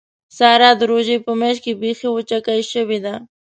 ساره د روژې په میاشت کې بیخي وچکۍ شوې ده.